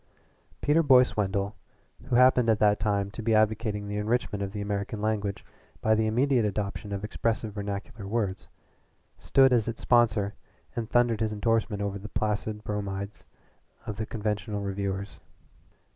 Peter Boyce Wendell, who happened at that time to be advocating the enrichment of the American language by the immediate adoption of expressive vernacular words, stood as its sponsor and thundered his indorsement over the placid bromides of the conventional reviewers.